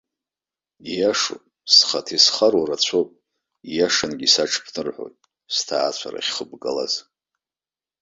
Ииашоуп, схаҭа исхароу рацәоуп, ииашангьы исаҽԥнырҳәоит, сҭаацәара ахьхыбгалаз.